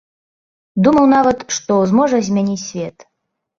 Думаў нават, што зможа змяніць свет.